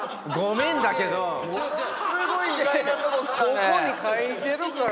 ここに書いてるから。